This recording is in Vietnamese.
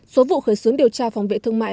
số vụ khởi xướng điều tra phòng vệ thương mại